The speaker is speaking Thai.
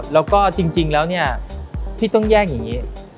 แล้วก็จริงแล้วเนี่ยที่ต้องแย่งอย่างนี้